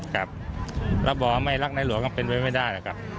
ครับรับบอกว่าไม่รักในหลวงก็เป็นไว้ไม่ได้